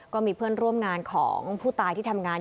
ก็มีเพื่อนร่วมงานของผู้ตายที่ทำงาน